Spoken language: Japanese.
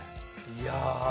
いや。